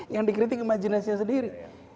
yang dikritik imajinasinya sendiri